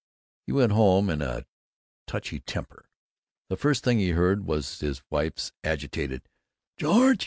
He went home in a touchy temper. The first thing he heard was his wife's agitated: "George!